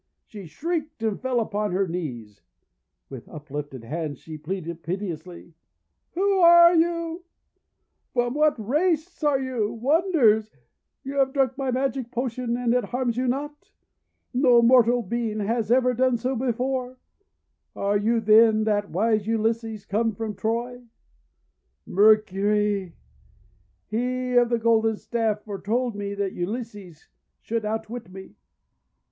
She shrieked and fell upon her knees. With uplifted hands she pleaded piteously :—* Who are you ? From what great race are you ? Wonders! You have drunk my magic potion, and it harms you not! No mortal being has ever done so before! Are you then that wise Ulysses come from Troy? Mercury he of the golden staff foretold to me that Ulysses should THE ENCHANTED SWINE 395 outwit me!